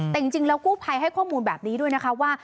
แต่จริงแล้วกู้ภัยให้ข้อมูลแบบนี้ด้วยนะคะว่า